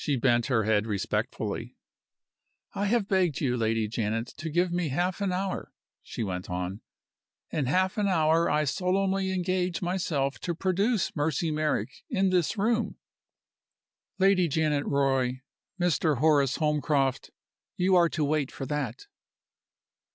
She bent her head respectfully. "I have begged you, Lady Janet, to give me half an hour," she went on. "In half an hour I solemnly engage myself to produce Mercy Merrick in this room. Lady Janet Roy, Mr. Horace Holmcroft, you are to wait for that."